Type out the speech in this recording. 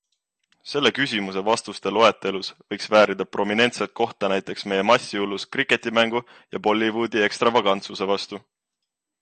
Selle küsimuse vastuste loetelus võiks väärida prominentset kohta näiteks meie massihullus kriketimängu ja Bollywoodi ekstravagantsuse vastu.